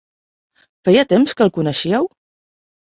Feia temps que el coneixíeu?